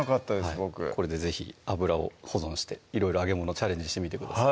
僕これで是非油を保存していろいろ揚げ物チャレンジしてみてください